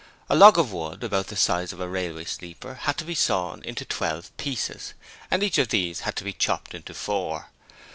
A log of wood about the size of a railway sleeper had to be sawn into twelve pieces, and each of these had to be chopped into four.